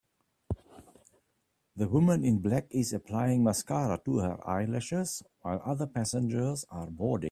The woman in black is applying mascara to her eyelashes while other passengers are boarding.